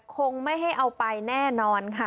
คงไม่ให้เอาไปแน่นอนค่ะ